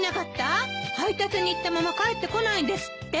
配達に行ったまま帰ってこないんですって。